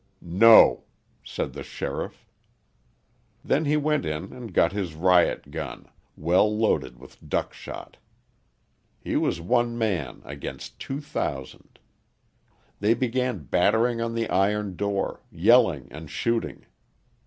"No!" said the sheriff. Then he went in and got his riot gun, well loaded with duck shot. He was one man against two thousand. They began battering on the iron door, yelling and shooting.